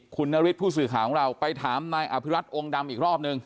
คุณนฤทธิผู้สื่อข่าวของเราไปถามนายอภิรัติองค์ดำอีกรอบนึง